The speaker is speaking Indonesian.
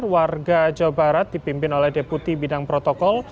warga jawa barat dipimpin oleh deputi bidang protokol